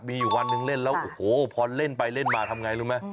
มีอยู่วันหนึ่งเล่นแล้วโอ้โหพอเล่นไปเล่นมาทำไงรู้ไหม